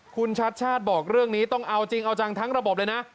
คุณชัดชาติบอกเรื่องนี้ต้องเอาจริงเอาจังทั้งระบบเลยนะ